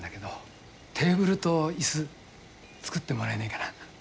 テーブルと椅子作ってもらえねえかな。